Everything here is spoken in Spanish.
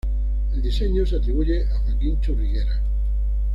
El diseño se atribuye a Joaquín Churriguera.